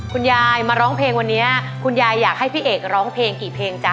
คุณยายมาร้องเพลงวันนี้คุณยายอยากให้พี่เอกร้องเพลงกี่เพลงจ้